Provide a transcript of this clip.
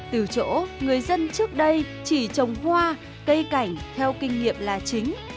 từ chỗ người dân trước đây chỉ trồng hoa cây cảnh theo kinh nghiệm là chính